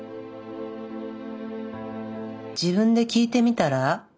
自分で聞いてみたら？